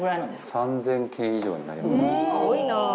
３０００件以上になりますねおおー！